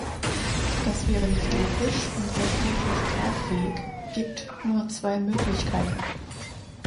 Das wäre nicht logisch und rechtlich nicht tragfähiggibt nur zwei Möglichkeiten.